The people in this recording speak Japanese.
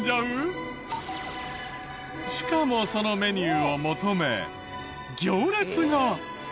しかもそのメニューを求め行列が！